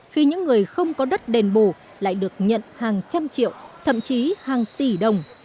khi những người không có đất đền bù lại được nhận hàng trăm triệu thậm chí hàng tỷ đồng